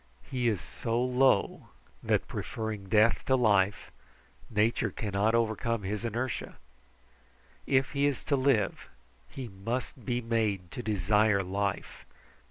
He is so low, that preferring death to life, nature cannot overcome his inertia. If he is to live, he must be made to desire life.